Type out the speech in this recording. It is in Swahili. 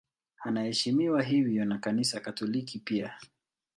Anaheshimiwa hivyo na Kanisa Katoliki pia.